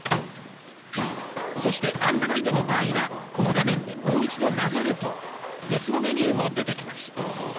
そしてアンドロイドの場合はこの画面でもう一度なぞると別のメニューも出てきます。